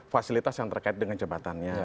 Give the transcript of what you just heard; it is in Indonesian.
fasilitas yang terkait dengan jabatannya